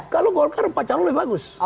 kalau golkar empat calon lebih bagus